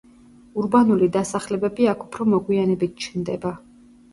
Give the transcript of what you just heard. ურბანული დასახლებები აქ უფრო მოგვიანებით ჩნდება.